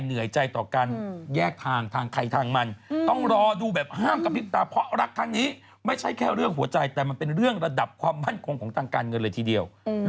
เหนื่อยใจต่อกันแยกทางทางไขทางมันต้องรอดูแบบห้ามกระพริบตาเพราะรักทันนี้